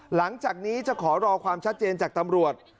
หลังจากนี้จะขอรอความชัดเจนจากตำรวจ